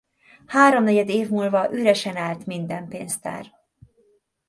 Háromnegyed év múlva üresen állt minden pénztár.